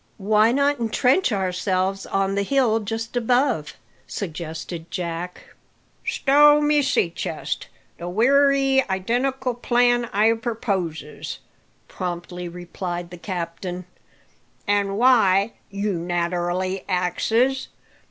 "Why not entrench ourselves on the hill just above?" suggested Jack. "Stow my sea chest! the wery identical plan I perposes," promptly replied the captain. "An' why? you naterally axes.